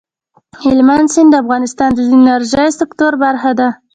هلمند سیند د افغانستان د انرژۍ سکتور برخه ده.